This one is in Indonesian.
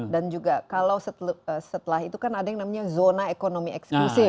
dan juga kalau setelah itu kan ada yang namanya zona ekonomi eksklusif